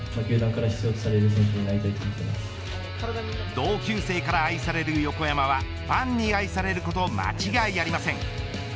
同級生から愛される横山はファンに愛されること間違いありません。